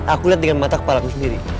aku liat dengan mata kepala gue sendiri